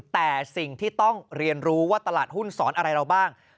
แต่สิ่งที่ต้องเรียนรู้ว่าตลาดหุ้นสอนอะไรเราบ้าง